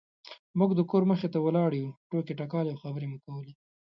موږ د کور مخې ته ولاړې وو ټوکې ټکالې او خبرې مو کولې.